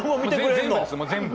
全部です全部！